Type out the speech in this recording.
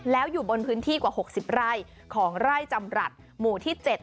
แล้วอยู่บนพื้นที่กว่า๖๐ไร่ของไร่จำรัฐหมู่ที่๗